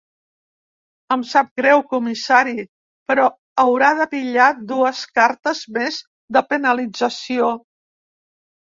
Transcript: Em sap greu, comissari, però haurà de pillar dues cartes més de penalització.